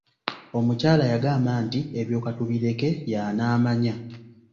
Omukyala yagamba nti ebyo katubireke y’anaamanya.